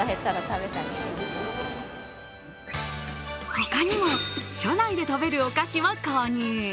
他にも車内で食べるお菓子を購入。